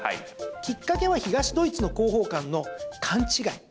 きっかけは東ドイツの広報官の勘違い。